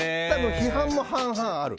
批判も半々ある。